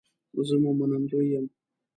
زه مو منندوی یم